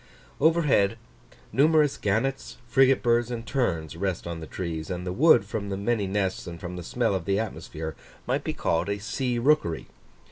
Overhead, numerous gannets, frigate birds, and terns, rest on the trees; and the wood, from the many nests and from the smell of the atmosphere, might be called a sea rookery.